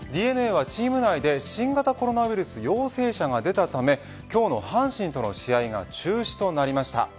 ＤｅＮＡはチーム内で新型コロナウイルス陽性者が出たため今日の阪神との試合が中止となりました。